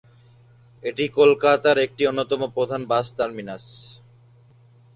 এটি কলকাতার একটি অন্যতম প্রধান বাস টার্মিনাস।